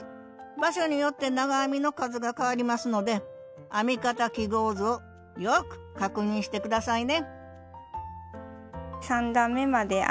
場所によって長編みの数が変わりますので編み方記号図をよく確認して下さいね